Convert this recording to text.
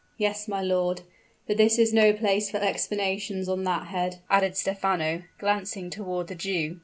"Yes, my lord. But this is no place for explanations on that head," added Stephano, glancing toward the Jew.